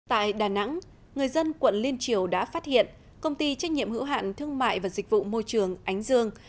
tại đà nẵng người dân quận liên triều đã phát hiện công ty trách nhiệm hữu hạn thương mại và dịch vụ môi trường ánh dương